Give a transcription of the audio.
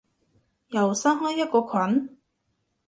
又新開一個群？